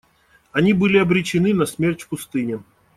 Они были обречены на смерть в пустыне.